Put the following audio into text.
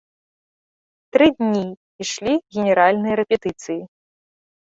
Тры дні ішлі генеральныя рэпетыцыі.